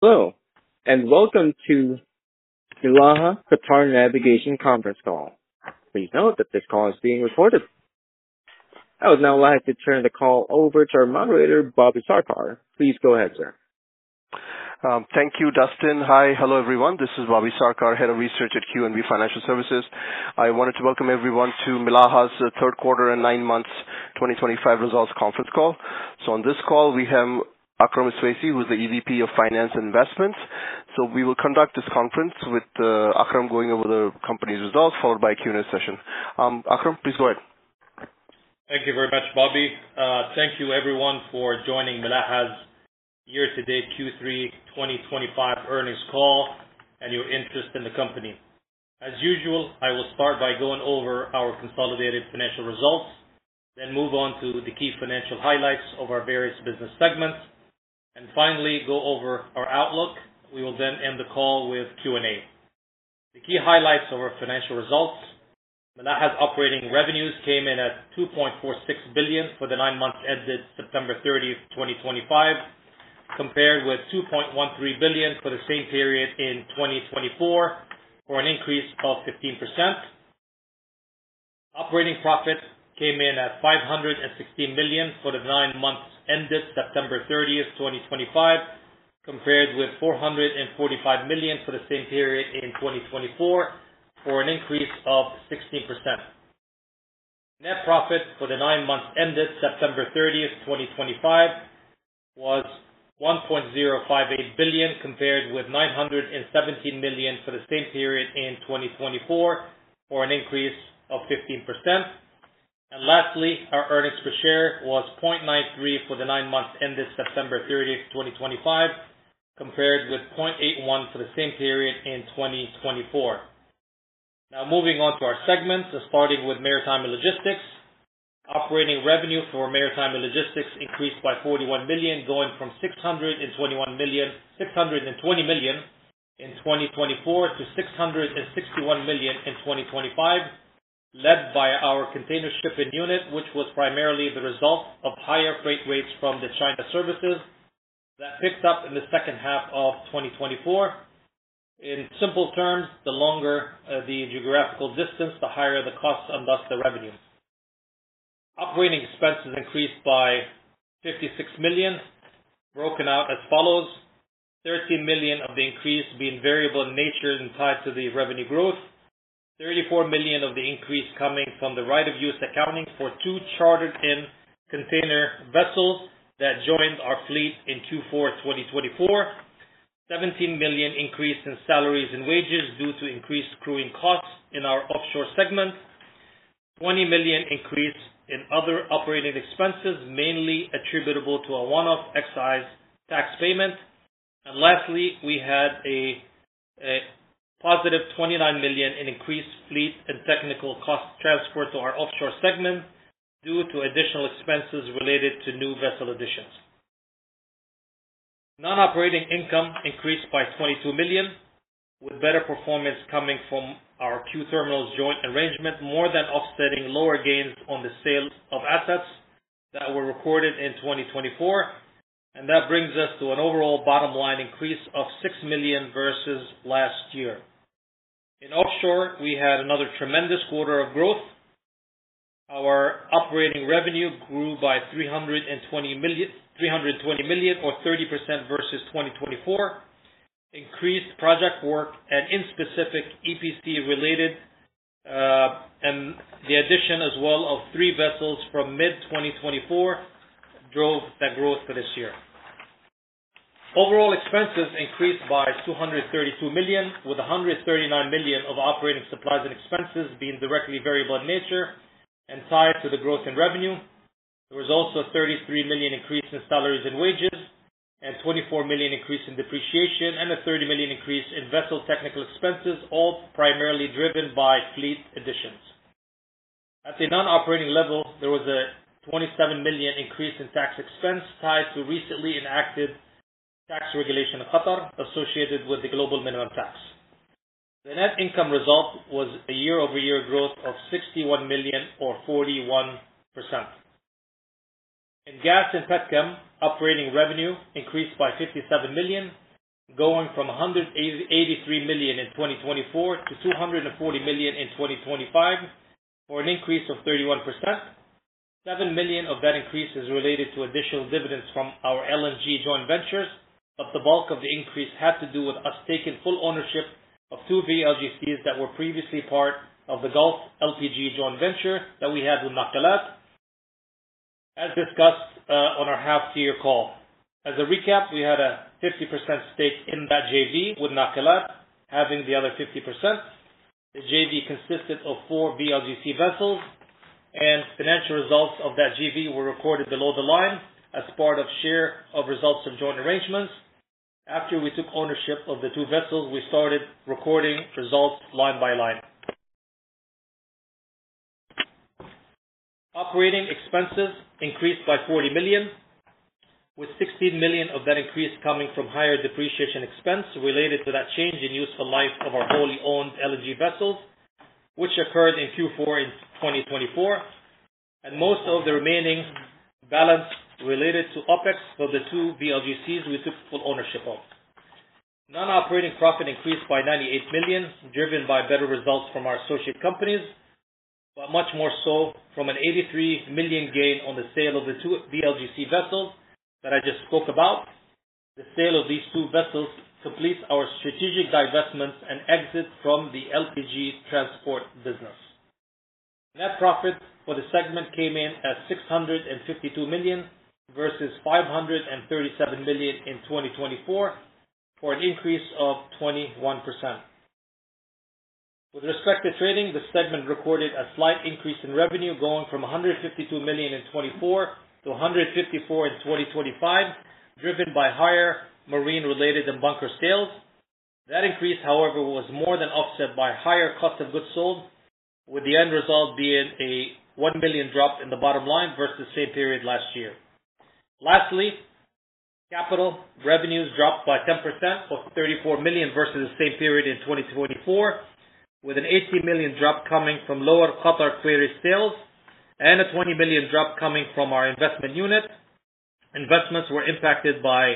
Hello, and welcome to Milaha Qatar Navigation conference call. Please note that this call is being recorded. I would now like to turn the call over to our moderator, Bobby Sarkar. Please go ahead, sir. Thank you, Dustin. Hi. Hello, everyone. This is Bobby Sarkar, Head of Research at QNB Financial Services. I wanted to welcome everyone to Milaha's Q3 and nine months 2025 results conference call. On this call, we have Akram Bashir Iswaisi, who is the Executive VP of Finance & Investments. We will conduct this conference with Akram going over the company's results, followed by a Q&A session. Akram, please go ahead. Thank you very much, Bobby. Thank you everyone for joining Milaha's year-to-date Q3 2025 earnings call and your interest in the company. As usual, I will start by going over our consolidated financial results, then move on to the key financial highlights of our various business segments, and finally go over our outlook. We will then end the call with Q&A. The key highlights of our financial results. Milaha's operating revenues came in at 2.46 billion for the nine months ended 30 September, 2025, compared with 2.13 billion for the same period in 2024, or an increase of 15%. Operating profit came in at 516 million for the nine months ended 30 September, 2025, compared with 445 million for the same period in 2024, for an increase of 16%. Net profit for the nine months ended 30 September, 2025 was 1.058 billion, compared with 917 million for the same period in 2024, or an increase of 15%. Lastly, our earnings per share was 0.93 for the nine months ended 30 September, 2025, compared with 0.81 for the same period in 2024. Now moving on to our segments, starting with Maritime & Logistics. Operating revenue for Maritime & Logistics increased by 41 million, going from 620 million in 2024 to 661 million in 2025, led by our container shipping unit, which was primarily the result of higher freight rates from the China services that picked up in the second half of 2024. In simple terms, the longer the geographical distance, the higher the cost, and thus the revenue. Operating expenses increased by 56 million, broken out as follows. 13 million of the increase being variable in nature and tied to the revenue growth, 34 million of the increase coming from the right-of-use accounting for two chartered-in container vessels that joined our fleet in Q4 2024. 17 million increase in salaries and wages due to increased crewing costs in our offshore segment. 20 million increase in other operating expenses, mainly attributable to a one-off excise tax payment. Lastly, we had a positive 29 million in increased fleet and technical cost transfer to our offshore segment due to additional expenses related to new vessel additions. Non-operating income increased by 22 million, with better performance coming from our QTerminals joint arrangement, more than offsetting lower gains on the sale of assets that were recorded in 2024. That brings us to an overall bottom line increase of 6 million versus last year. In Offshore, we had another tremendous quarter of growth. Our operating revenue grew by 320 million or 30% versus 2024. Increased project work and in specific EPC related, and the addition as well of three vessels from mid-2024 drove that growth for this year. Overall expenses increased by 232 million, with 139 million of operating supplies and expenses being directly variable in nature and tied to the growth in revenue. There was also a 33 million increase in salaries and wages, and 24 million increase in depreciation, and a 30 million increase in vessel technical expenses, all primarily driven by fleet additions. At the non-operating level, there was a 27 million increase in tax expense tied to recently enacted tax regulation of Qatar associated with the global minimum tax. The net income result was a year-over-year growth of 61 million or 41%. In Gas and Petrochem, operating revenue increased by 57 million, going from 183 million in 2024 to 240 million in 2025, or an increase of 31%. 7 million of that increase is related to additional dividends from our LNG joint ventures, but the bulk of the increase had to do with us taking full ownership of two VLGCs that were previously part of the Gulf LPG joint venture that we had with Nakilat, as discussed on our half-year call. As a recap, we had a 50% stake in that JV, with Nakilat having the other 50%. The JV consisted of four VLGC vessels, and financial results of that JV were recorded below the line as part of share of results from joint arrangements. After we took ownership of the two vessels, we started recording results line by line. Operating expenses increased by 40 million, with 16 million of that increase coming from higher depreciation expense related to that change in useful life of our wholly owned LNG vessels, which occurred in Q4 2024. Most of the remaining balance related to OpEx for the two VLGCs we took full ownership of. Non-operating profit increased by 98 million, driven by better results from our associate companies, but much more so from an 83 million gain on the sale of the two VLGC vessels that I just spoke about. The sale of these two vessels completes our strategic divestments and exit from the LPG transport business. Net profit for the segment came in at 652 million, versus 537 million in 2024, for an increase of 21%. With respect to trading, the segment recorded a slight increase in revenue going from 152 million in 2024 to 154 million in 2025, driven by higher marine-related and bunker sales. That increase, however, was more than offset by higher cost of goods sold, with the end result being a 1 million drop in the bottom line versus same period last year. Lastly, capital revenues dropped by 10% to 34 million versus the same period in 2024, with a 80 million drop coming from lower Qatar Quarries sales and a 20 million drop coming from our investment unit. Investments were impacted by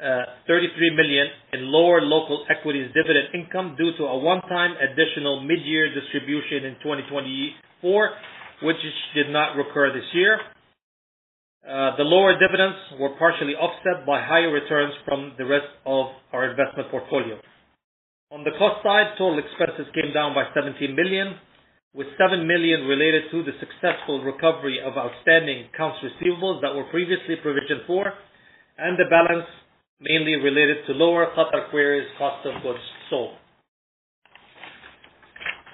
33 million in lower local equities dividend income due to a one-time additional mid-year distribution in 2024, which did not recur this year. The lower dividends were partially offset by higher returns from the rest of our investment portfolio. On the cost side, total expenses came down by 17 million, with 7 million related to the successful recovery of outstanding accounts receivables that were previously provisioned for, and the balance mainly related to lower Qatar Quarries cost of goods sold.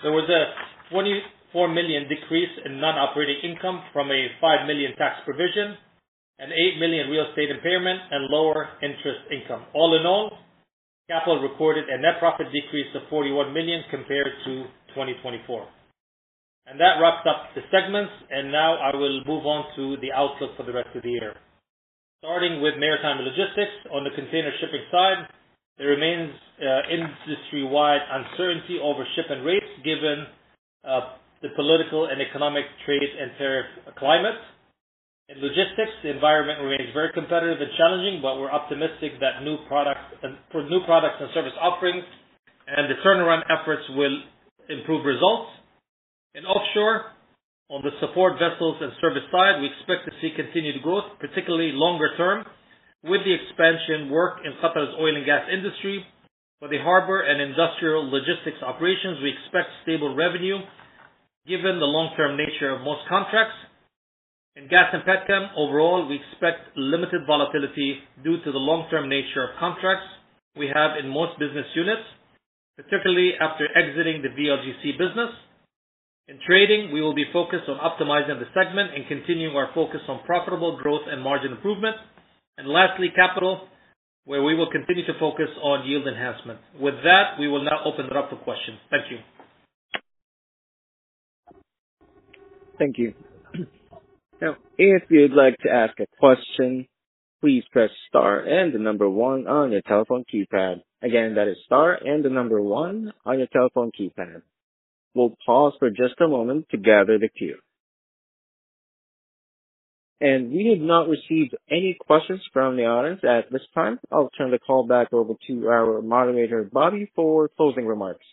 There was a 24 million decrease in non-operating income from a 5 million tax provision, a 8 million real estate impairment, and lower interest income. All in all, Milaha Capital reported a net profit decrease of 41 million compared to 2024. That wraps up the segments, and now I will move on to the outlook for the rest of the year. Starting with Maritime & Logistics. On the container shipping side, there remains industry-wide uncertainty over shipping rates given the political and economic trade and tariff climate. In Logistics, the environment remains very competitive and challenging, but we're optimistic that new products and service offerings and the turnaround efforts will improve results. In Offshore, on the support vessels and service side, we expect to see continued growth, particularly longer term, with the expansion work in Qatar's oil and gas industry. For the harbor and industrial logistics operations, we expect stable revenue given the long-term nature of most contracts. In Gas and Petrochem, overall, we expect limited volatility due to the long-term nature of contracts we have in most business units, particularly after exiting the VLGC business. In Trading, we will be focused on optimizing the segment and continuing our focus on profitable growth and margin improvement. Lastly, Capital, where we will continue to focus on yield enhancement. With that, we will now open it up for questions. Thank you. Thank you. Now, if you'd like to ask a question, please press star and the number one on your telephone keypad. Again, that is star and the number one on your telephone keypad. We'll pause for just a moment to gather the queue. We have not received any questions from the audience at this time. I'll turn the call back over to our moderator, Bobby, for closing remarks.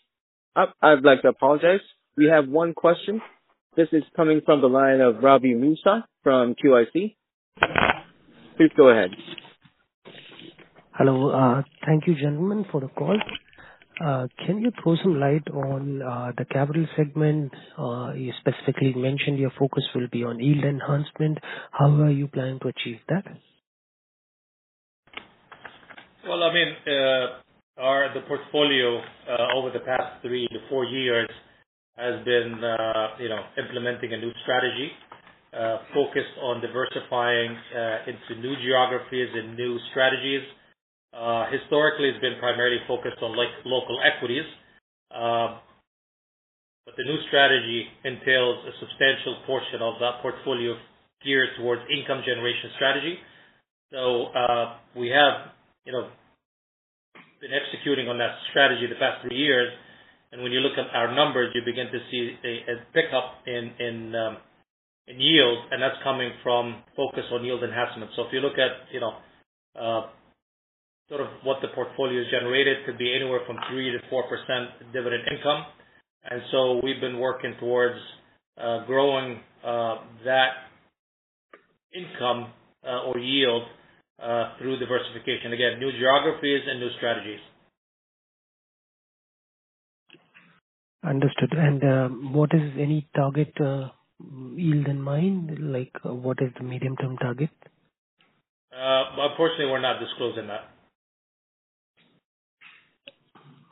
I'd like to apologize. We have one question. This is coming from the line of Ravi Kumar from QIC. Please go ahead. Hello. Thank you, gentlemen, for the call. Can you throw some light on the capital segment? You specifically mentioned your focus will be on yield enhancement. How are you planning to achieve that? Well, I mean, the portfolio, over the past three-four years has been implementing a new strategy, focused on diversifying into new geographies and new strategies. Historically, it's been primarily focused on local equities. The new strategy entails a substantial portion of that portfolio geared towards income generation strategy. We have been executing on that strategy the past three years, and when you look at our numbers, you begin to see a pickup in yields, and that's coming from focus on yields enhancement. If you look at sort of what the portfolio has generated, could be anywhere from 3%-4% dividend income. We've been working towards growing that income or yield through diversification. Again, new geographies and new strategies. Understood. What is any target yield in mind? What is the medium-term target? Unfortunately, we're not disclosing that.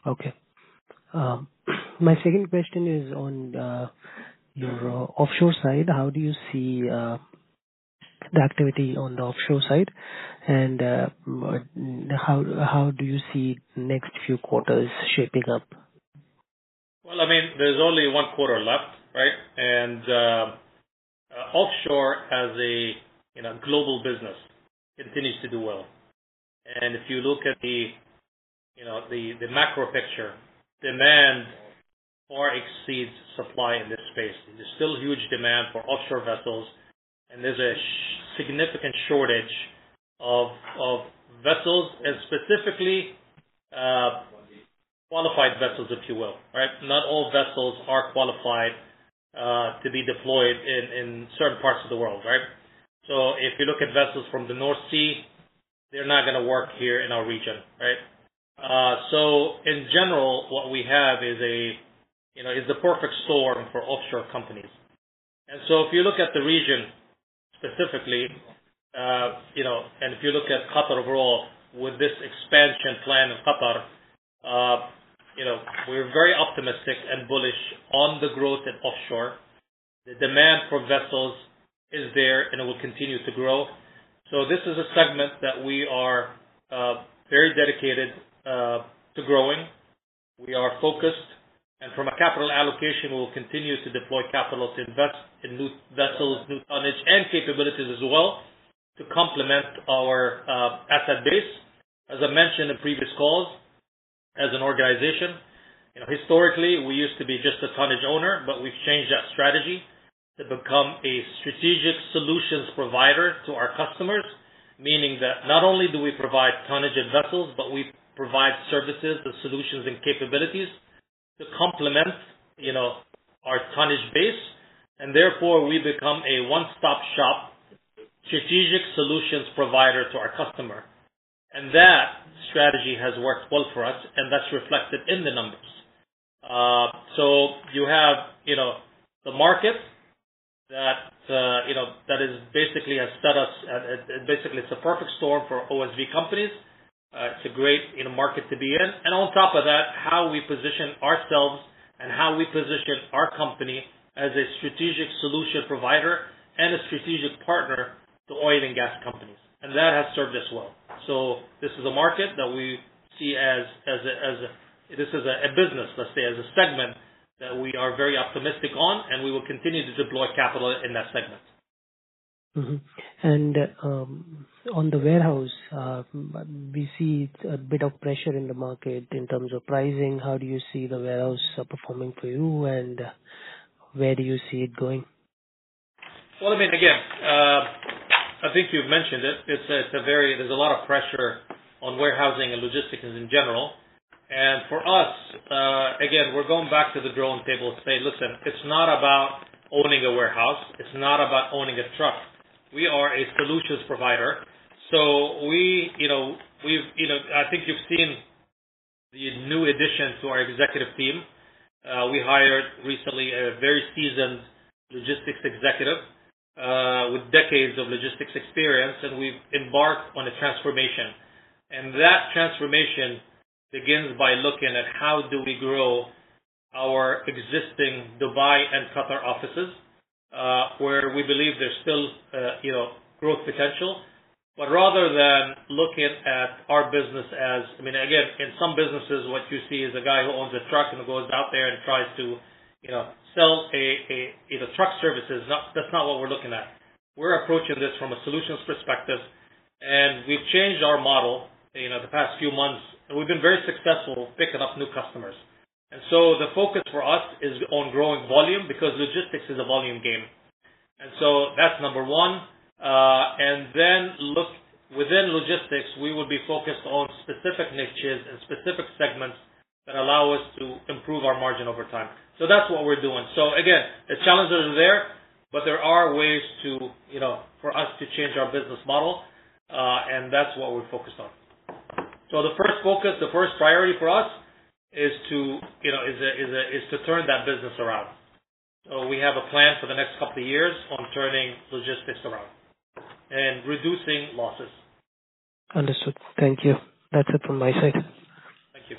Okay. My second question is on your offshore side. How do you see the activity on the offshore side, and how do you see next few quarters shaping up? Well, I mean, there's only one quarter left, right? In a global business, it continues to do well. If you look at the macro picture, demand far exceeds supply in this space. There's still huge demand for offshore vessels, and there's a significant shortage of vessels and specifically, qualified vessels, if you will. Right? Not all vessels are qualified to be deployed in certain parts of the world. Right? If you look at vessels from the North Sea, they're not going to work here in our region. Right? In general, what we have is the perfect storm for offshore companies. If you look at the region specifically, and if you look at Qatar overall with this expansion plan in Qatar, we're very optimistic and bullish on the growth in offshore. The demand for vessels is there, and it will continue to grow. This is a segment that we are very dedicated to growing. We are focused, and from a capital allocation, we'll continue to deploy capital to invest in new vessels, new tonnage, and capabilities as well, to complement our asset base. As I mentioned in previous calls, as an organization, historically, we used to be just a tonnage owner, but we've changed that strategy to become a strategic solutions provider to our customers. Meaning that not only do we provide tonnage and vessels, but we provide services and solutions and capabilities to complement our tonnage base, and therefore we become a one-stop shop, strategic solutions provider to our customer. That strategy has worked well for us, and that's reflected in the numbers. Basically, it's a perfect storm for OSV companies. It's a great market to be in. On top of that, how we position ourselves and how we position our company as a strategic solution provider and a strategic partner to oil and gas companies. that has served us well. this is a market that we see as a business, let's say, as a segment that we are very optimistic on, and we will continue to deploy capital in that segment. Mm-hmm. On the warehouse, we see a bit of pressure in the market in terms of pricing. How do you see the warehouse performing for you, and where do you see it going? Well, I mean, again, I think we've mentioned it. There's a lot of pressure on warehousing and logistics in general. For us, again, we're going back to the drawing board to say, listen, it's not about owning a warehouse. It's not about owning a truck. We are a solutions provider. I think you've seen the new addition to our executive team. We hired recently a very seasoned logistics executive, with decades of logistics experience, and we've embarked on a transformation. That transformation begins by looking at how do we grow our existing Dubai and Qatar offices, where we believe there's still growth potential. Rather than looking at our business as, I mean, again, in some businesses, what you see is a guy who owns a truck and goes out there and tries to sell truck services. That's not what we're looking at. We're approaching this from a solutions perspective, and we've changed our model the past few months, and we've been very successful picking up new customers. The focus for us is on growing volume because logistics is a volume game. That's number one. Within logistics, we will be focused on specific niches and specific segments that allow us to improve our margin over time. That's what we're doing. Again, the challenges are there, but there are ways for us to change our business model, and that's what we're focused on. The first focus, the first priority for us is to turn that business around. We have a plan for the next couple of years on turning logistics around and reducing losses. Understood. Thank you. That's it from my side. Thank you.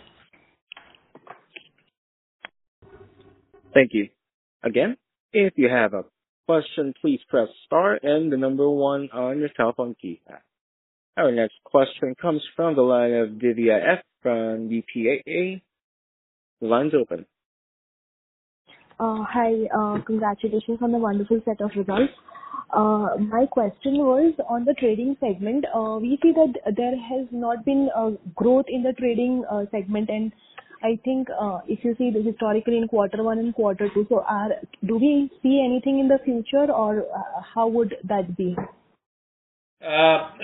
Thank you. Again, if you have a question, please press star and the number one on your cellphone keypad. Our next question comes from the line of Divya S from WPAA. The line's open. Hi. Congratulations on the wonderful set of results. My question was on the Trading segment. We see that there has not been growth in the Trading segment, and I think, if you see this historically in quarter one and quarter two for 2025, do we see anything in the future or how would that be?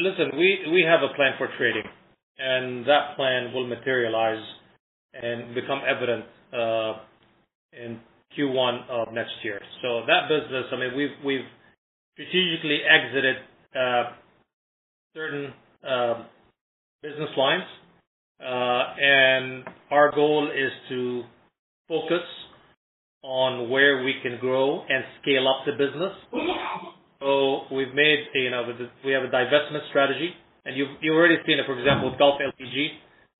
Listen, we have a plan for trading, and that plan will materialize and become evident in Q1 of next year. That business, I mean, we've strategically exited certain business lines, and our goal is to focus on where we can grow and scale up the business. We have a divestment strategy. You've already seen it, for example, Gulf LPG.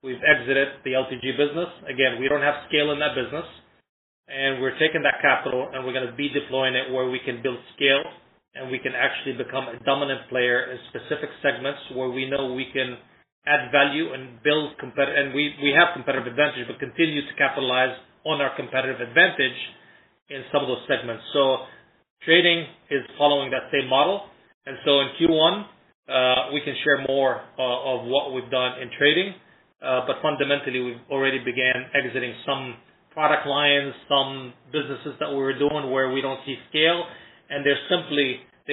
We've exited the LPG business. Again, we don't have scale in that business. We're taking that capital, and we're going to be deploying it where we can build scale and we can actually become a dominant player in specific segments where we know we can add value and we have competitive advantage. We'll continue to capitalize on our competitive advantage in some of those segments. Trading is following that same model. In Q1, we can share more of what we've done in trading. Fundamentally, we've already began exiting some product lines, some businesses that we were doing where we don't see scale, and they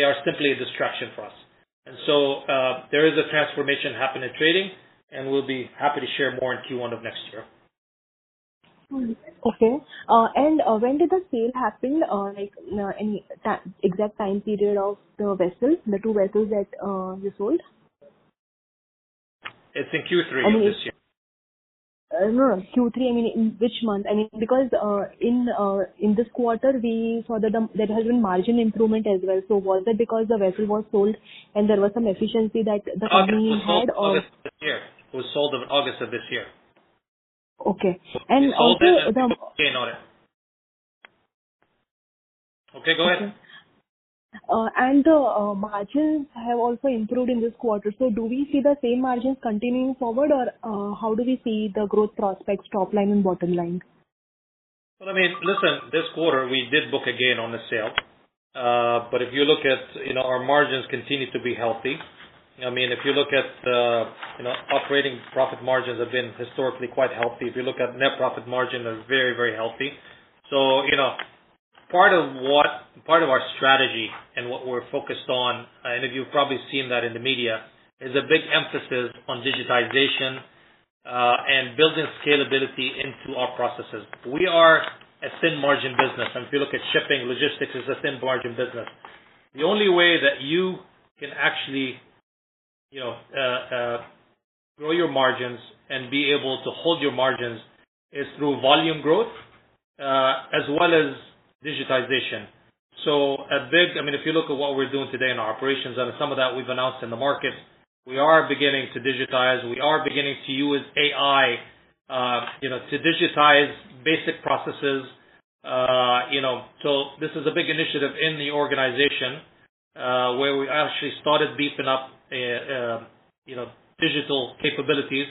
are simply a distraction for us. There is a transformation happening in trading, and we'll be happy to share more in Q1 of next year. Okay. When did the sale happen? Like, any exact time period of the two vessels that you sold? It's in Q3 of this year. No, Q3, I mean, in which month? Because in this quarter we saw that there has been margin improvement as well. Was it because the vessel was sold and there was some efficiency that the company had It was sold August of this year. Okay. Okay, go ahead. The margins have also improved in this quarter. Do we see the same margins continuing forward or how do we see the growth prospects, top line and bottom line? Well, I mean, listen, this quarter we did book again on the sale. If you look at our margins continue to be healthy. If you look at the operating profit margins have been historically quite healthy. If you look at net profit margin, they're very healthy. Part of our strategy and what we're focused on, and if you've probably seen that in the media, is a big emphasis on digitization, and building scalability into our processes. We are a thin margin business, and if you look at shipping, logistics is a thin margin business. The only way that you can actually grow your margins and be able to hold your margins is through volume growth, as well as digitization. If you look at what we're doing today in our operations and some of that we've announced in the market, we are beginning to digitize. We are beginning to use AI, to digitize basic processes. This is a big initiative in the organization, where we actually started beefing up digital capabilities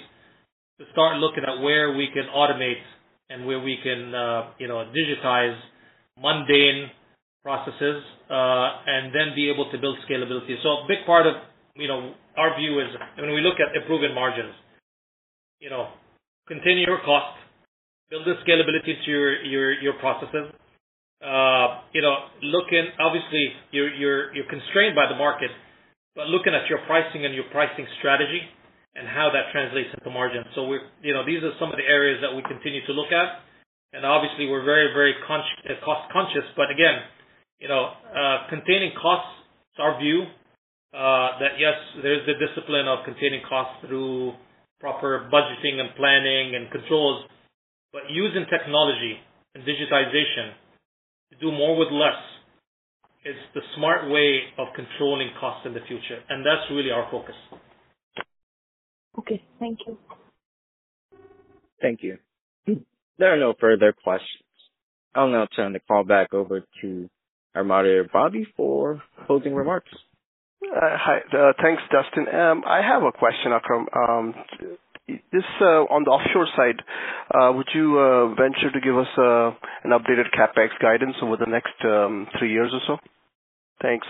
to start looking at where we can automate and where we can digitize mundane processes, and then be able to build scalability. A big part of our view is, when we look at improving margins, continue your costs, build the scalability to your processes. Obviously, you're constrained by the market, but looking at your pricing and your pricing strategy and how that translates into margin. These are some of the areas that we continue to look at. Obviously, we're very cost conscious. Again, containing costs, our view, that yes, there's the discipline of containing costs through proper budgeting and planning and controls. Using technology and digitization to do more with less is the smart way of controlling costs in the future. That's really our focus. Okay. Thank you. Thank you. There are no further questions. I'll now turn the call back over to our moderator, Bobby, for closing remarks. Hi. Thanks, Dustin. I have a question, Akram. Just on the offshore side, would you venture to give us an updated CapEx guidance over the next three years or so? Thanks.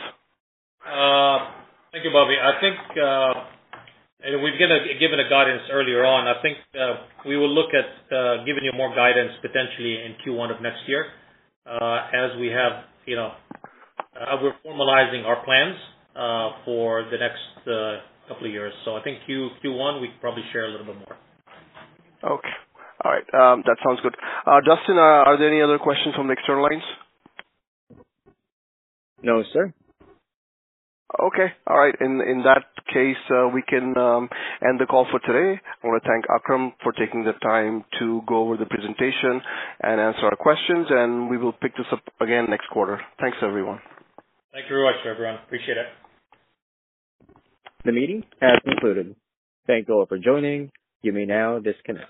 Thank you, Bobby. I think, we've given a guidance earlier on. I think, we will look at giving you more guidance potentially in Q1 of next year, as we're formalizing our plans for the next couple of years. I think Q1, we can probably share a little bit more. Okay. All right. That sounds good. Dustin, are there any other questions from the external lines? No, sir. Okay. All right. In that case, we can end the call for today. I want to thank Akram for taking the time to go over the presentation and answer our questions, and we will pick this up again next quarter. Thanks, everyone. Thank you very much, everyone. Appreciate it. The meeting has concluded. Thank you all for joining. You may now disconnect.